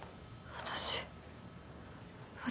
私。